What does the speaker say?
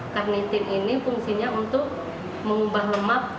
karniting ini fungsinya untuk mengubah lemak